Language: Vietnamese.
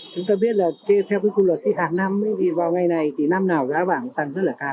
chúng ta biết là theo cái quy luật hàng năm thì vào ngày này thì năm nào giá vàng tăng rất là cao